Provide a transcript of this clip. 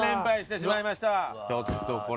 ちょっとこれ。